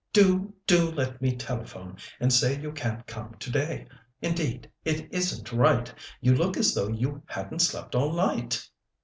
Do, do let me telephone and say you can't come today. Indeed, it isn't right. You look as though you hadn't slept all night."